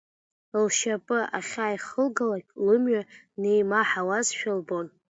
Лшьапы ахьааихылгалак лымҩа неимаҳауазшәа лбон.